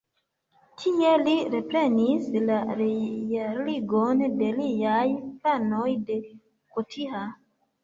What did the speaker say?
Tie li reprenis la realigon de liaj planoj de Gotha.